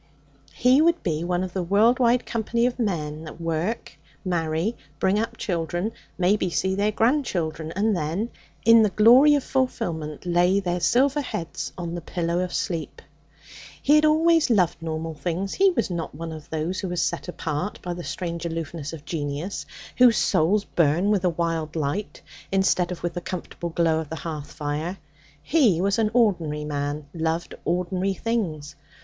He would be one of the world wide company of men that work, marry, bring up children, maybe see their grandchildren, and then, in the glory of fulfilment, lay their silver heads on the pillow of sleep. He had always loved normal things. He was not one of those who are set apart by the strange aloofness of genius, whose souls burn with a wild light, instead of with the comfortable glow of the hearth fire. He was an ordinary man, loved ordinary things.